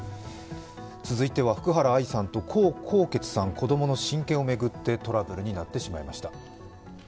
続いては福原愛さんと江宏傑さん、子供の親権を巡ってトラブルになってしまいました。